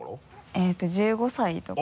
えっと１５歳とか。